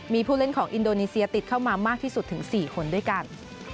มีผู้เล่นของอินโดนีเซียติดเข้ามามากที่สุดถึง๔คนด้วยกัน